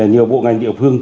nhiều bộ ngành địa phương